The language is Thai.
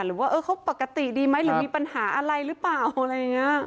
หรือว่าเขาปกติดีไหมหรือมีปัญหาอะไรหรือเปล่าอะไรอย่างนี้